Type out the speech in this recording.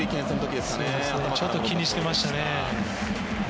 ちょっと気にしてました。